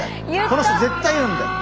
この人絶対言うんだよ。